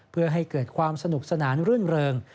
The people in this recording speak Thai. เพื่อให้เกิดความสนุกสนานรื่นเริง